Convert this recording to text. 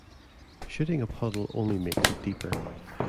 Shooting a puddle only makes it deeper.